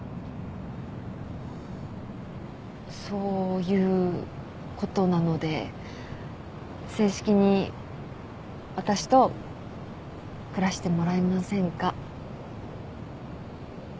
そういうことなので正式に私と暮らしてもらえませんか？